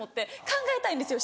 考えたいんですよ